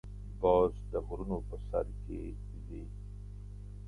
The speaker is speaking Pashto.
باز د غرونو په سر کې ځې